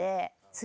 次。